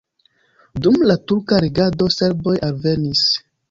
Dum la turka regado serboj alvenis.